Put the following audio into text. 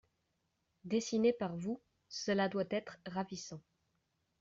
Dessinés par vous, cela doit être ravissant !